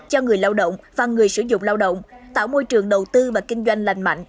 cho người lao động và người sử dụng lao động tạo môi trường đầu tư và kinh doanh lành mạnh